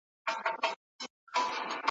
یو څه وخت مي راسره ښکلي بچیان وي `